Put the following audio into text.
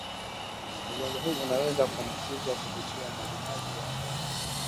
ugonjwa huu unaweza kuambukizwa kupitia majimaji ya hewani